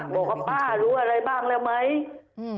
บอกว่าป้ารู้อะไรบ้างแล้วไหมอืม